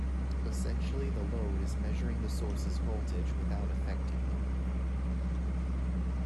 Essentially, the load is measuring the source's voltage without affecting it.